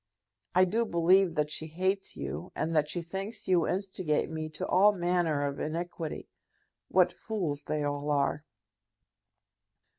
I do believe that she hates you, and that she thinks you instigate me to all manner of iniquity. What fools they all are!"